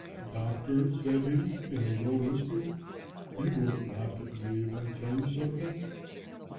"'Doctor,' said he, in a low whisper, 'you won't laugh at me if I tell you something?'